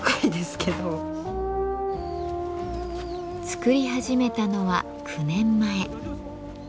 作り始めたのは９年前。